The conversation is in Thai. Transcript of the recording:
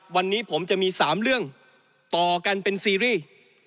วันนี้ผมจะมี๓เรื่องต่อกันเป็นซีรีส์